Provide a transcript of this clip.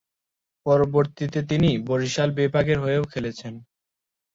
পরবর্তিতে তিনি বরিশাল বিভাগের হয়েও খেলেছেন।